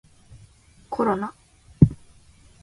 コロナ